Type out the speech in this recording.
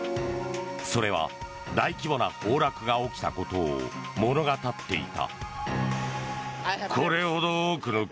それは大規模な崩落が起きたことを物語っていた。